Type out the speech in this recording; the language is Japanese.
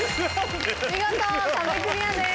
見事壁クリアです。